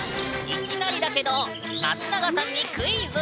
いきなりだけど松永さんにクイズ。